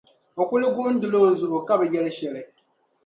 O kuli guhinla o zuɣu, ka bi yɛli shɛli.